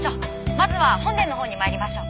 まずは本殿のほうに参りましょう。